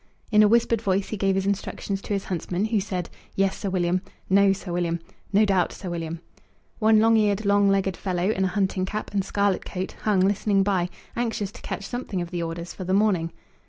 In a whispered voice he gave his instructions to his huntsman, who said, "Yes, Sir William," "No, Sir William," "No doubt, Sir William." One long eared, long legged fellow, in a hunting cap and scarlet coat, hung listening by, anxious to catch something of the orders for the morning.